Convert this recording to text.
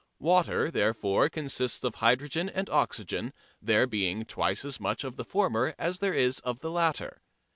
Water therefore consists of hydrogen and oxygen, there being twice as much of the former as there is of the latter.